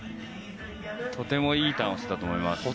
とてもいいターンをしたと思います。